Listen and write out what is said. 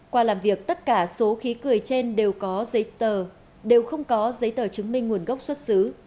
qua làm việc tất cả số khí cười trên đều không có giấy tờ chứng minh nguồn gốc xuất xứ